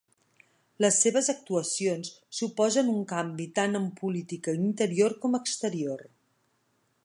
Les seves actuacions suposen un canvi tant en política interior com exterior.